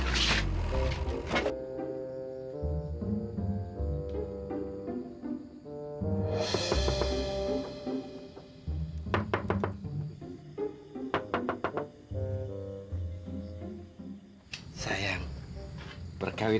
sekali lagi peran per lisanesin